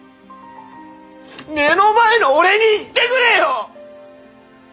目の前の俺に言ってくれよ！